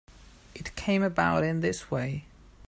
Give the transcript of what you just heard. It came about in this way.